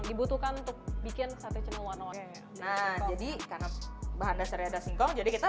dibutuhkan untuk bikin sate cenul warna warna jadi karena bahan dasarnya ada singkong jadi kita